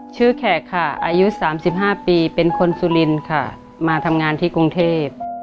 แขกค่ะอายุ๓๕ปีเป็นคนสุรินค่ะมาทำงานที่กรุงเทพ